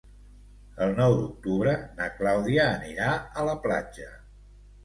El nou d'octubre na Clàudia anirà a la platja.